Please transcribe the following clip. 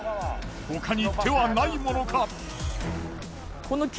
ほかに手はないものか。